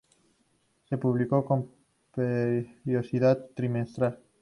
Se publicó con periodicidad trimestral.